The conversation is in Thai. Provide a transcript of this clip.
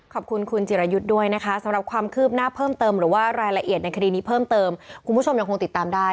ขอบคุณคุณจิรายุทธ์ด้วยนะคะสำหรับความคืบหน้าเพิ่มเติมหรือว่ารายละเอียดในคดีนี้เพิ่มเติมคุณผู้ชมยังคงติดตามได้